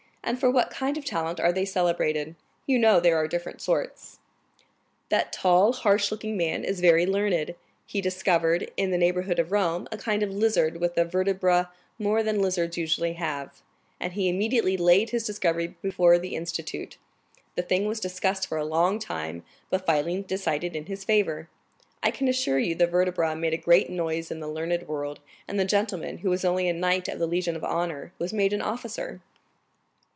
And for what kind of talent are they celebrated? You know there are different sorts." "That tall, harsh looking man is very learned, he discovered, in the neighborhood of Rome, a kind of lizard with a vertebra more than lizards usually have, and he immediately laid his discovery before the Institute. The thing was discussed for a long time, but finally decided in his favor. I can assure you the vertebra made a great noise in the learned world, and the gentleman, who was only a knight of the Legion of Honor, was made an officer."